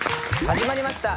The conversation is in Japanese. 始まりました